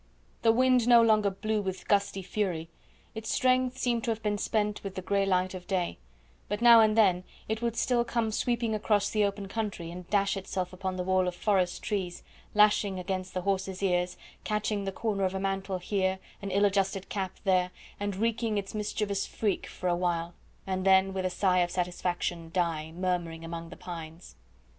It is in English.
The wind no longer blew with gusty fury its strength seemed to have been spent with the grey light of day but now and then it would still come sweeping across the open country, and dash itself upon the wall of forest trees, lashing against the horses' ears, catching the corner of a mantle here, an ill adjusted cap there, and wreaking its mischievous freak for a while, then with a sigh of satisfaction die, murmuring among the pines.